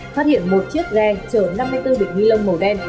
phát hiện một chiếc ghe chở năm mươi bốn bịch ni lông màu đen